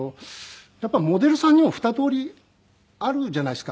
やっぱりモデルさんにも２通りあるじゃないですか。